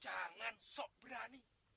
jangan sok berani